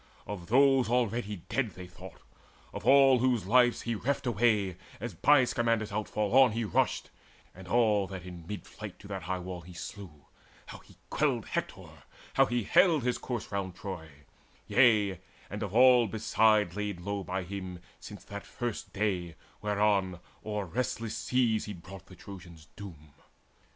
Of those already dead They thought of all whose lives he reft away As by Scamander's outfall on he rushed, And all that in mid flight to that high wall He slew, how he quelled Hector, how he haled His corse round Troy; yea, and of all beside Laid low by him since that first day whereon O'er restless seas he brought the Trojans doom.